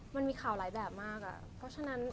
มันมีข่าวหลายแบบมากอ่ะ